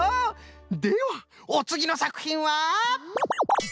ではおつぎのさくひんは？